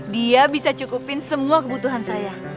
dia bisa cukupin semua kebutuhan saya